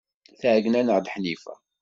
Tɛeyyen-aneɣ-d Ḥnifa.